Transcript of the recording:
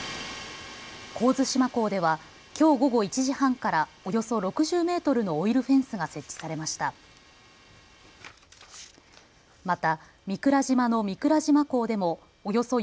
神津島港では、きょう午後１時半からおよそ６０メートルのオイルフェンスが設置されました。